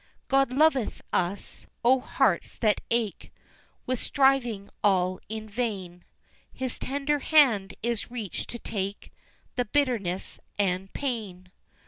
God loveth us! O hearts that ache With striving all in vain, His tender hand is reached to take The bitterness and pain.